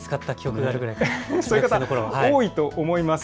そういう方、多いと思います。